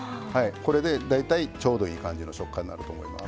これで大体ちょうどいい感じの食感になると思います。